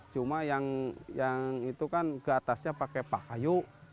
cuma yang itu kan keatasnya pakai pahayu